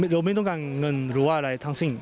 โดยไม่ต้องการเงินหรือว่าอะไรทั้งสิ้น